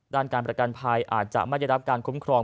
การประกันภัยอาจจะไม่ได้รับการคุ้มครอง